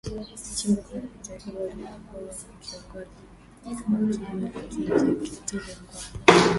Chimbuko la vita hivyo lilikuwa ni kiongozi wa kimila Kinjeketile Ngwale